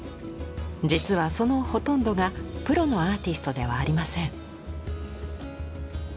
実はそのほとんどがプロのアーティストではありません。